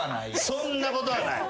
そんなことはない。